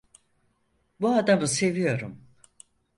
Bu adamı seviyorum.